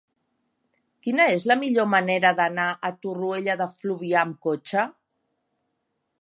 Quina és la millor manera d'anar a Torroella de Fluvià amb cotxe?